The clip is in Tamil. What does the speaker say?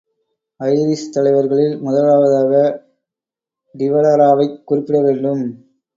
ஐரிஷ் தலைவர்களில் முதலாவதாக டி வலராவைக் குறிப்பிடவேண்டும்.